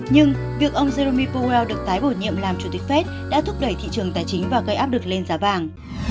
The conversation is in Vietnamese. nhưng việc ông jeromy powell được tái bổ nhiệm làm chủ tịch fed đã thúc đẩy thị trường tài chính và gây áp lực lên giá vàng